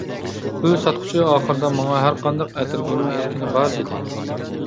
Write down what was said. گۈل ساتقۇچى ئاخىرىدا ماڭا: «ھەرقانداق ئەتىرگۈلنىڭ تىكىنى بار» دېدى.